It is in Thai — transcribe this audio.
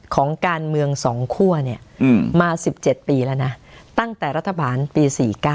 ของการเมือง๒คั่วมา๑๗ปีแล้วนะตั้งแต่รัฐบาลปี๔๙